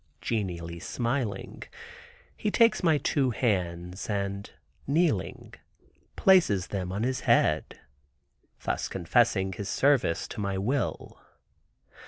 Genially smiling, he takes my two hands, and kneeling places them on his head, thus confessing his service to my will.